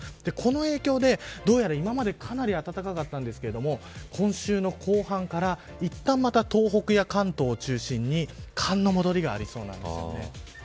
この影響で、どうやら今までかなり暖かかったんですが今週の後半からいったんまた東北や関東を中心に寒の戻りがありそうなんです。